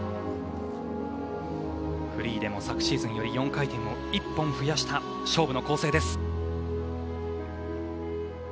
フリーでも昨シーズンより４回転を１本増やした勝負の構成です。